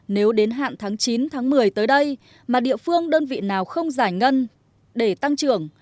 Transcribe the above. nếu đến hạn tháng chín tháng một mươi tới đây mà địa phương đơn vị nào không giải ngân để tăng trưởng